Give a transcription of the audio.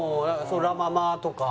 ラ・ママとか。